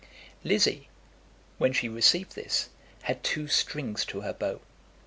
Lizzie, when she received this, had two strings to her bow.